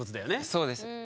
そうです。